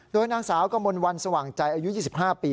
โดยนางสาวกมลวันสว่างใจอายุ๒๕ปี